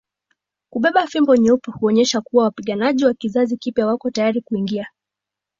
Kubeba fimbo nyeupe huonyesha kuwa wapiganaji wa kizazi kipya wako tayari kuingia